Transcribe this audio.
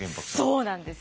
そうなんです！